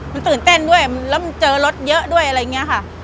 มันตื่นเต้นด้วยแล้วมันเจอรถเยอะด้วยอะไรอย่างนี้ค่ะ